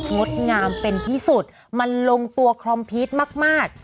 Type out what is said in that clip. งดงามเป็นที่สุดมันลงตัวคลอมพีชมาก